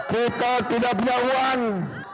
kita tidak punya uang